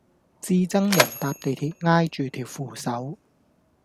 至憎人搭地鐵挨住條扶手